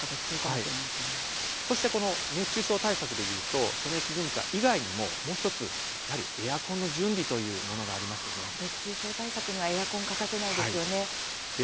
そして熱中症対策でいうと暑熱順化以外にも、もう１つエアコンの準備というものがエアコンは熱中症対策に欠かせないですよね。